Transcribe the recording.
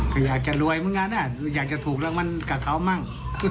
ก็อยากจะรวยมึงก็งั้นน่ะอยากจะถูกรางมันกับเขามั่ง